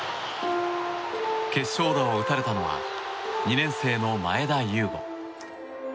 決勝打を打たれたのは２年生の前田悠伍。